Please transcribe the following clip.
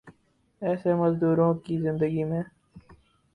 یسے مزدوروں کی زندگی میں